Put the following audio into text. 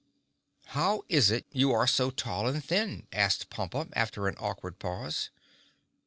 "How is it you are so tall and thin?" asked Pompa after an awkward pause.